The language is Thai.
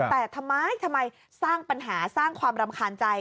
แต่ทำไมทำไมสร้างปัญหาสร้างความรำคาญใจ